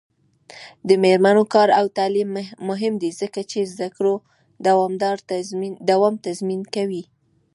د میرمنو کار او تعلیم مهم دی ځکه چې زدکړو دوام تضمین کوي.